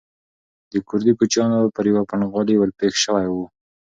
د کوردي کوچیانو پر یوه پنډغالي ورپېښ شوی و.